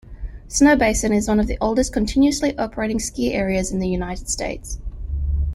Snowbasin is one of the oldest continuously operating ski areas in the United States.